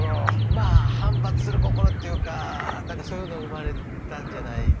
まあ反発する心というか何かそういうのが生まれたんじゃないでしょうかね。